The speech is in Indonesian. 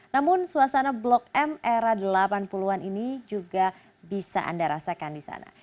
namun suasana blok m era delapan puluh an ini juga bisa anda rasakan di sana